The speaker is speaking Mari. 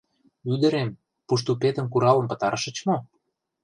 — Ӱдырем, Пуштупетым куралын пытарышыч мо?